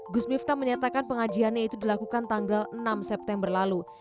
gus miftah menyatakan pengajiannya itu dilakukan tanggal enam september lalu